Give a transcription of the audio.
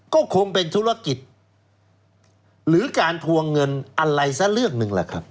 ก็คงเป็นธุรกิจหรือการทวงเงินอะไรสักเรื่องหนึ่งแหละครับ